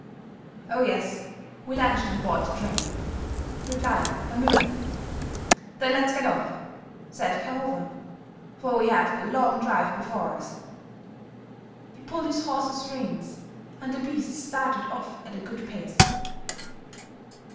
"Oh, yes, we lunched on board the train," replied Herr Müller. "Then, let's get off," said Herr Hofer, "for we have a long drive before us." He pulled his horses' reins and the beasts started off at a good pace.